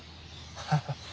ハハハ。